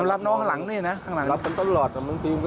รับน้องข้างหลังนี่นะ